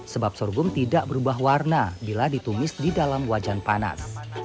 sebab sorghum tidak berubah warna bila ditumis di dalam wajan panas